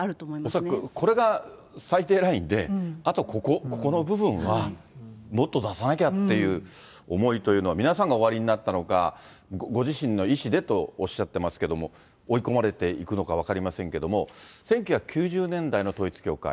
恐らくこれが最低ラインで、あとここ、ここの部分は、もっと出さなきゃっていう思いというのは皆さんがおありになったのか、ご自身の意思でとおっしゃっていますけれども、追い込まれていくのか分かりませんけれども、１９９０年代の統一教会。